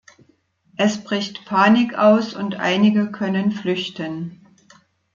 Es bricht Panik aus und einige können flüchten.